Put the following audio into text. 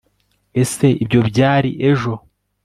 ese ibyo byari ejo